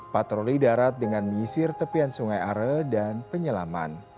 patroli darat dengan menyisir tepian sungai are dan penyelaman